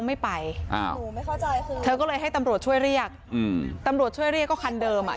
ไม่ไปเธอก็เลยให้ตำรวจช่วยเรียกตำรวจช่วยเรียกก็คันเดิมอ่ะ